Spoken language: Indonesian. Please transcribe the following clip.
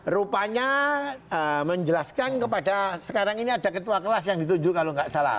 rupanya menjelaskan kepada sekarang ini ada ketua kelas yang ditunjuk kalau nggak salah